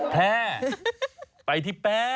แพ้ไปที่แพ้